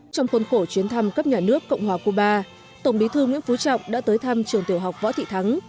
trong khuôn khổ chuyến thăm cấp nhà nước cộng hòa cuba tổng bí thư nguyễn phú trọng đã tới thăm trường tiểu học võ thị thắng